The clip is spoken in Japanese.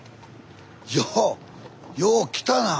ようよう来たな。